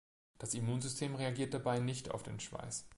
Das Immunsystem reagiert dabei nicht auf den Schweiß.